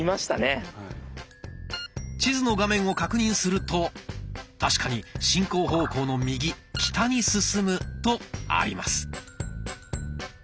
地図の画面を確認すると確かに進行方向の右「北に進む」とあります。